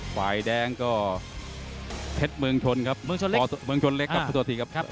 ฝ่ายแดงก็เทศเมืองชนเล็กกับส่วนสีครับ